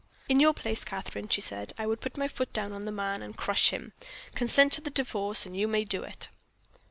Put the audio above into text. "In your place, Catherine," she said, "I would put my foot down on that man and crush him. Consent to the Divorce, and you may do it."